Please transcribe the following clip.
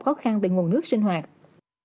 trước khả năng hạn mặn sẽ lập lại trong mùa khô